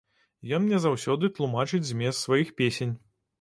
Ён мне заўсёды тлумачыць змест сваіх песень.